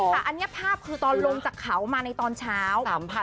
แต่อันนี้ภาพคือตอนลงจากเขามาในตอนเช้า